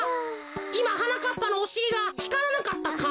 いまはなかっぱのおしりがひからなかったか？